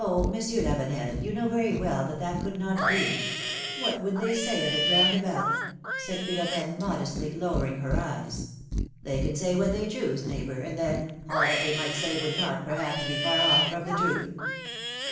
Monsieur Lavenel, you know very well that that could not be ! What would they say of it round about said Philom^ne, modestly, lowering her eyes. They can say what they choose, neighbor, and then, all that they might say would not, perhaps, be far off from the truth.